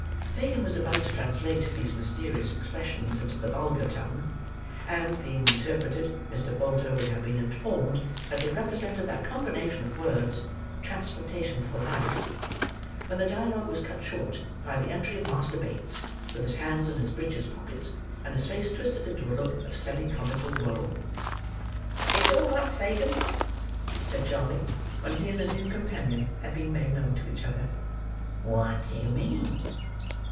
Fagin was about to translate these mysterious expressions into the vulgar tongue; and, being interpreted, Mr. Bolter would have been informed that they represented that combination of words, "transportation for life," when the dialogue was cut short by the entry of Master Bates, with his hands in his breeches pockets, and his face twisted into a look of semi comical woe. "It's all up, Fagin," said Charley, when he and his new companion had been made known to each other. "What do you mean?"